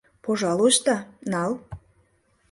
— Пожалуйста, нал.